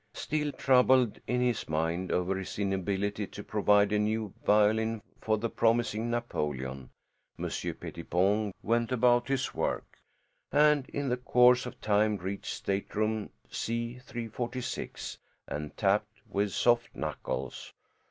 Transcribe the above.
Still troubled in his mind over his inability to provide a new violin for the promising Napoleon, Monsieur Pettipon went about his work, and in the course of time reached Stateroom C 346 and tapped with soft knuckles.